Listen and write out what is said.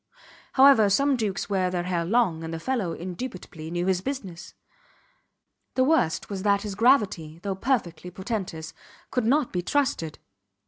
However, some dukes wear their hair long, and the fellow indubitably knew his business. The worst was that his gravity, though perfectly portentous, could not be trusted.